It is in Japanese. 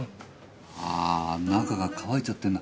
あー中が乾いちゃってんな。